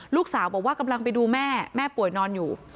ลูกสาวบอกว่ากำลังไปดูแม่แม่ป่วยนอนอยู่